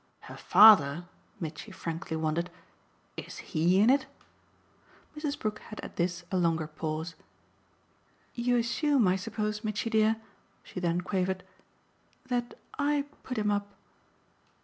"Her father?" Mitchy frankly wondered. "Is HE in it?" Mrs. Brook had at this a longer pause. "You assume, I suppose, Mitchy dear," she then quavered "that I put him up